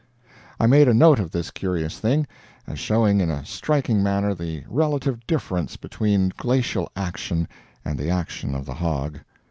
I made a note of this curious thing, as showing in a striking manner the relative difference between glacial action and the action of the hog.